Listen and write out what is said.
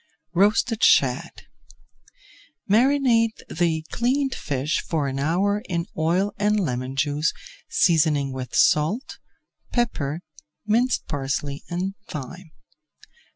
ROASTED SHAD Marinate the cleaned fish for an hour in oil and lemon juice, seasoning with salt, pepper, minced parsley, and thyme.